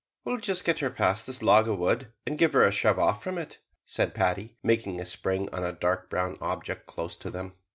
"We'll just get her past this log of wood and give her a shove off from it," said Paddy, making a spring on a dark brown object close to them.